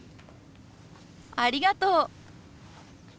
ありがとう！